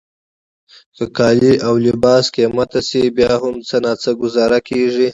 که کالي او لباس قیمته شي بیا هم څه ناڅه ګوزاره کیږي.